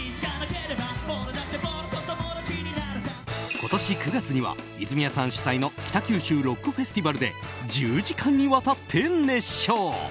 今年９月には泉谷さん主催の北九州ロックフェスティバルで１０時間にわたって熱唱！